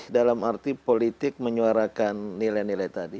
dalam arti politik menyuarakan nilai nilai tadi